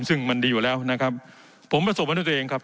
ซึ่งมันดีอยู่แล้วนะครับผมประสบมาด้วยตัวเองครับ